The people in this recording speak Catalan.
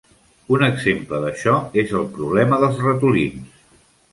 Un exemple d'això és el problema dels ratolins.